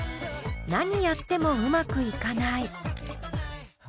「なにやってもうまくいかない」。